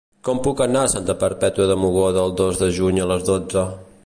Com puc anar a Santa Perpètua de Mogoda el dos de juny a les dotze?